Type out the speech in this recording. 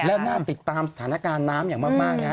และน่าติดตามสถานการณ์น้ำอย่างมากนะครับ